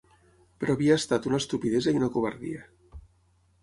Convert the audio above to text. Però havia estat una estupidesa i una covardia